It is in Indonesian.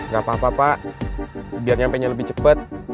gak apa apa pak biar nyampe lebih cepet